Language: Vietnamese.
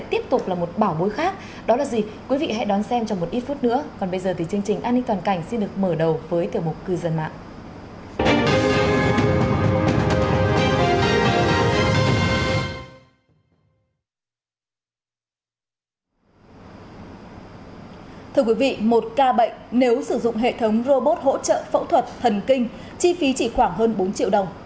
thưa quý vị một ca bệnh nếu sử dụng hệ thống robot hỗ trợ phẫu thuật thần kinh chi phí chỉ khoảng hơn bốn triệu đồng